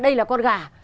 đây là con gà